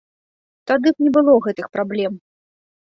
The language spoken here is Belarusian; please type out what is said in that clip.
Тады б не было гэтых праблем.